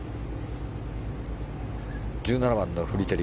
１７番のフリテリ。